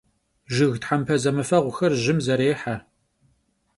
Jjıg thempe zemıfeğuxer jjıım zerêhe.